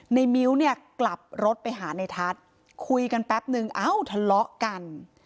มิ้วเนี่ยกลับรถไปหาในทัศน์คุยกันแป๊บนึงเอ้าทะเลาะกัน